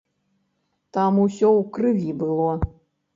Там усё ў крыві было.